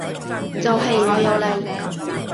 就係我有你